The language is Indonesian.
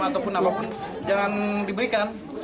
ataupun apapun jangan diberikan